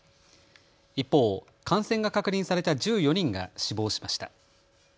一方、感染が確認された１４人が死亡しました。